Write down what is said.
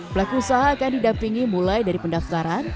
pelaku usaha akan didampingi mulai dari pendaftaran